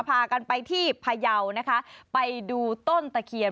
พากันไปที่พยาวนะคะไปดูต้นตะเคียน